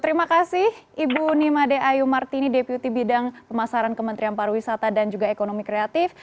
terima kasih ibu nimade ayu martini deputi bidang pemasaran kementerian pariwisata dan juga ekonomi kreatif